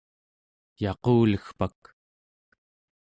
yaqulegpak